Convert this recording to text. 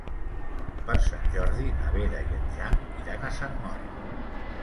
Per Sant Jordi na Vera i en Jan iran a Sant Mori.